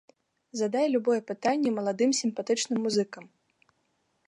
Задай любое пытанне маладым сімпатычным музыкам!